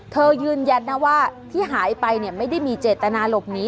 ยืนยันนะว่าที่หายไปไม่ได้มีเจตนาหลบหนี